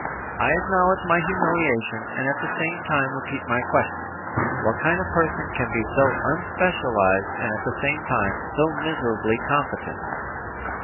"I acknowledge my humiliation and at the same time repeat my question: What kind of person can be so unspecialized and at the same time so miserably competent?"